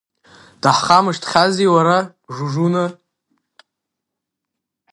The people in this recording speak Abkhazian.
Даҳхамышҭхьази, уара, Жужуна.